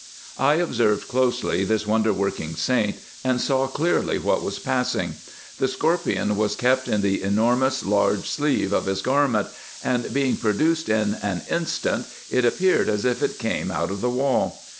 I observed closely this wonder working saint, and saw clearly what was passing. The scorpion was kept in the enormous large sleeve of his garment, and being pro duced in an instant, it appeared as if it came out of the wall.